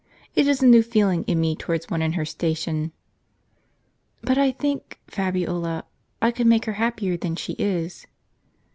It is a new feeling in me towards one in her station." "But I think, Fabiola, I could make her happier than she is."